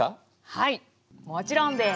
はいもちろんです。